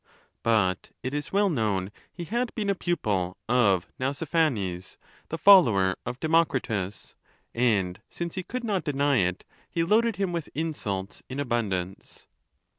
But it is well known he had been a pupil, of Nau siphanes, the follower of Deraocritus ; and since he could not deny it, he loaded him with insults in abundance.